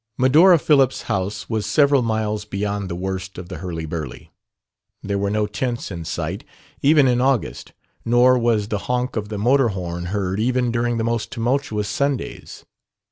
Medora Phillips' house was several miles beyond the worst of the hurly burly. There were no tents in sight, even in August. Nor was the honk of the motor horn heard even during the most tumultuous Sundays.